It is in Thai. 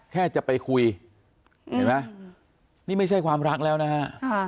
แค่จะไปคุยเห็นไหมนี่ไม่ใช่ความรักแล้วนะฮะ